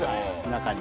中に。